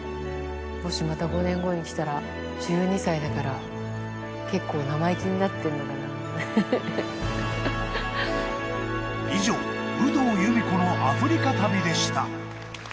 もしまた５年後に来たら、１２歳だから、結構、生意気になってる以上、有働由美子のアフリカ旅でした。